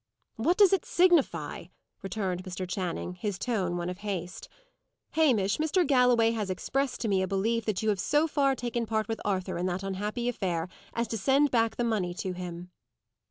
"What does it signify?" returned Mr. Channing, his tone one of haste. "Hamish, Mr. Galloway has expressed to me a belief that you have so far taken part with Arthur in that unhappy affair, as to send back the money to him."